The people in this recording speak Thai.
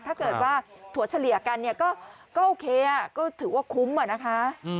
ถ้าเกิดว่าถั่วเฉลี่ยกันเนี่ยก็โอเคก็ถือว่าคุ้มอะนะคะ